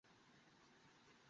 তোমার সাথে তাদের নিয়ে যাও।